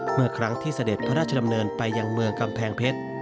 เมื่อครั้งที่เสด็จพระราชดำเนินไปยังเมืองกำแพงเพชร